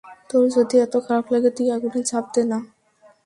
তোর যদি এতো খারাপ লাগে, তুই আগুনে ঝাঁপ দে না?